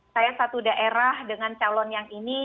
saya satu daerah dengan calon yang ini